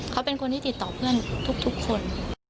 เขาเป็นคนที่ติดต่อเพื่อนทุกคน